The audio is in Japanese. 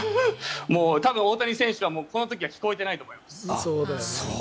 多分、大谷選手はこの時は聴こえてないと思います。